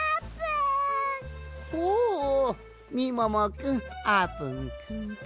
おおみももくんあーぷんくんか。